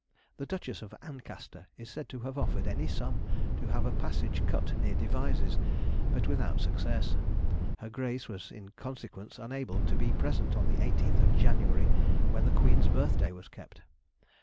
The Duchess of Ancaster is said to have offered any sum to have a passage cut near Devizes, but without success, her Grace was in consequence unable to be present on the 18th January, when the Queen's birthday was kept.